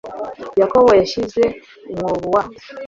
Yakobo -yashyize umwobo wa